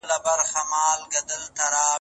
ځکه پایله یې ښه وه.